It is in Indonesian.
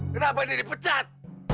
kenapa dia dipecat